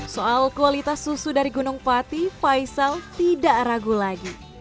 soal kualitas susu dari gunung pati faisal tidak ragu lagi